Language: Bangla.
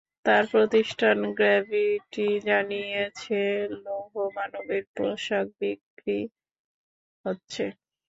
তাঁর প্রতিষ্ঠান গ্র্যাভিটি জানিয়েছে, লৌহমানবের পোশাক বিক্রি হচ্ছে।